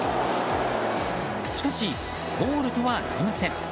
しかし、ゴールとはなりません。